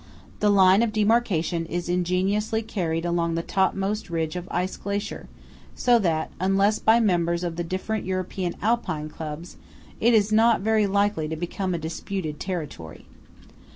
The line of demarcation is ingeniously carried along the topmost ridge of ice and glacier, so that, unless by members of the different European Alpine clubs, it is not very likely to become a disputed territory.